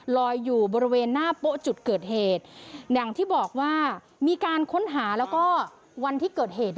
อยู่บริเวณหน้าโป๊ะจุดเกิดเหตุอย่างที่บอกว่ามีการค้นหาแล้วก็วันที่เกิดเหตุ